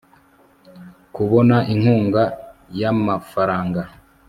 kubona inkunga y amafaranga